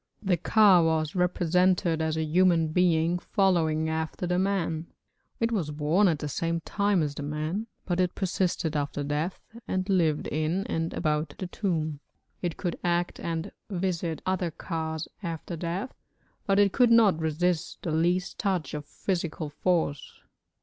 The ka was represented as a human being following after the man; it was born at the same time as the man, but it persisted after death and lived in and about the tomb. It could act and visit other kas after death, but it could not resist the least touch of physical force.